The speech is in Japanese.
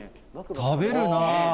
食べるな。